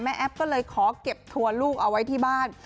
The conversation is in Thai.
แอปก็เลยขอเก็บทัวร์ลูกเอาไว้ที่บ้าน